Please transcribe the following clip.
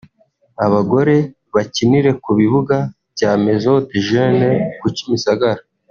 abagore bakinire ku bibuga bya Maison des Jeunes ku Kimisagara